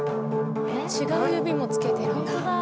違う指もつけてるんだ。